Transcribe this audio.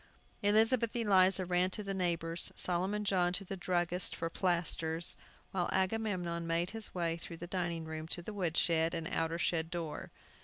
Elizabeth Eliza ran to the neighbors, Solomon John to the druggist's for plasters, while Agamemnon made his way through the dining room to the wood shed and outer shed door.